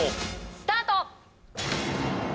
スタート！